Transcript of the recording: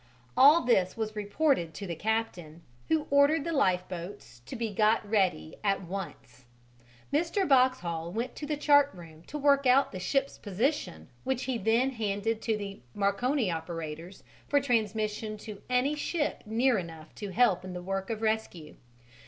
All this was reported to the captain, who ordered the lifeboats to be got ready at once. Mr. Boxhall went to the chartroom to work out the ship's position, which he then handed to the Marconi operators for transmission to any ship near enough to help in the work of rescue.